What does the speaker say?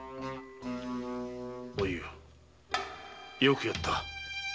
おゆうよくやった。